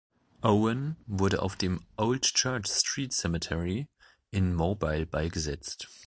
Owen wurde auf dem "Old Church Street Cemetery" in Mobile beigesetzt.